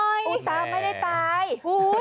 คุณตาไม่ได้ตาย